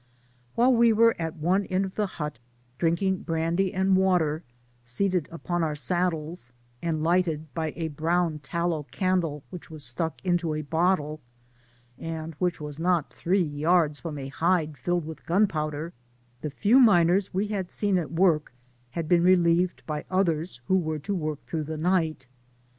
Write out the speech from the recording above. While we were at one end of the hut, drinking brandy and water, seated upon our saddles, and lighted by a brown tallow candle which was stuck into a bottle, and which was not three yards from a hide filled with gunpowder, the few miners we had seen at work had been relieved by others who were to work through the night.